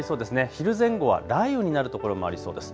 昼前後は雷雨になる所もありそうです。